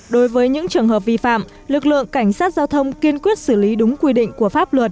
đối với những trường hợp vi phạm lực lượng cảnh sát giao thông kiên quyết xử lý đúng quy định